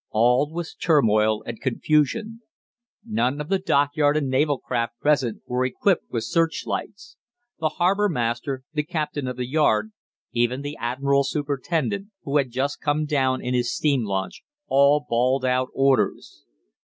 All was turmoil and confusion. None of the dockyard and naval craft present were equipped with searchlights. The harbour master, the captain of the yard, even the admiral superintendent, who had just come down in his steam launch, all bawled out orders.